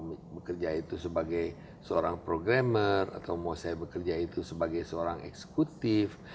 saya bekerja itu sebagai seorang programmer atau mau saya bekerja itu sebagai seorang eksekutif